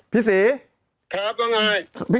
พี่ศรี